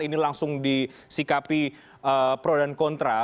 ini langsung disikapi pro dan kontra